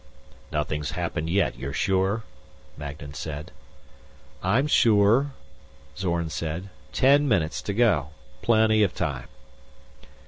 "Nothing's happened yet, you're sure?" Magnan said. "I'm sure," Zorn said. "Ten minutes to go. Plenty of time."